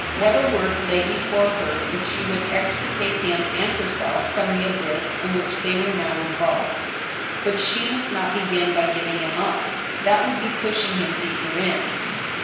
What a work lay before her if she would extricate him and herself from the ' abyss in which they were now involved ! But she must not begin by giving him up ; that would be pushing him deeper in.